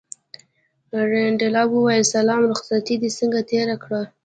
رینالډي وویل سلام رخصتې دې څنګه تېره کړه.